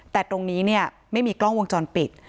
แต่ตรงนี้เนี่ยไม่มีกล้องวงจรปิด